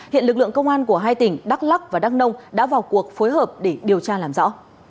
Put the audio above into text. hiện lực lượng công an của hai tỉnh đắk lắc và đắk nông đã vào cuộc phối hợp để điều tra làm rõ